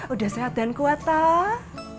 udah sehat dan kuat tah